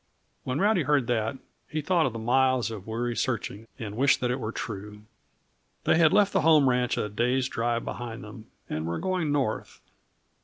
When Rowdy heard that, he thought of the miles of weary searching, and wished that it were true. They had left the home ranch a day's drive behind them, and were going north.